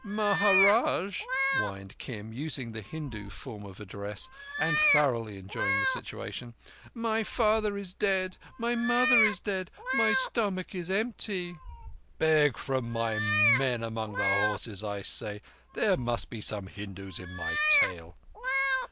"Maharaj," whined Kim, using the Hindu form of address, and thoroughly enjoying the situation; "my father is dead—my mother is dead—my stomach is empty." "Beg from my men among the horses, I say. There must be some Hindus in my tail."